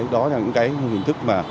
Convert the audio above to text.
đó là những hình thức